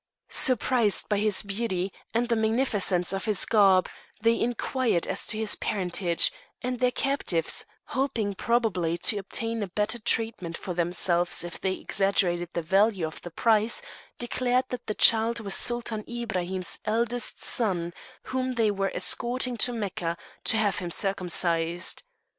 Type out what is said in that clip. Surprised by his beauty, and the magnificence of his garb, they inquired as to his parentage, and their captives, hoping probably to obtain better treatment for themselves if they exaggerated the value of the prize, declared that the child was Sultan Ibrahim's eldest son, whom they were escorting to Mecca, to have him circumcised.